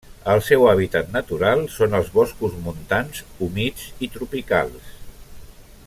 El seu hàbitat natural són els boscos montans humits i tropicals.